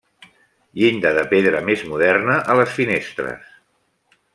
Llinda de pedra més moderna a les finestres.